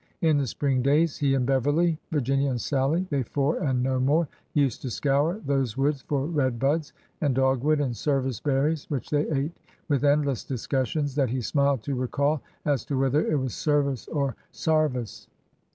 In the spring days he and Beverly, Virginia and Sallie, they four and no more," used to scour those woods for red buds and dogwood and service berries, which they ate with endless discussions, that he smiled to recall, as to whether it was service or sarvice.